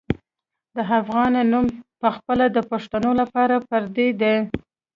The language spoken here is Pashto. د افغان نوم پخپله د پښتنو لپاره پردی دی.